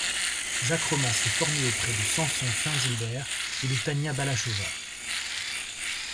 Jacques Roman s'est formé auprès de Samson Fainsilber et de Tania Balachova.